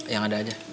yang ada aja